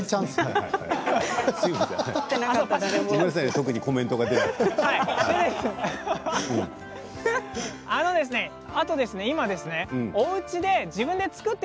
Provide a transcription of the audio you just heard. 特にコメントが出なくて。